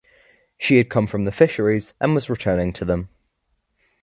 She had come from the fisheries and was returning to them.